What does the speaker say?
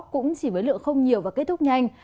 cũng chỉ với lượng không nhiều và kết thúc nhanh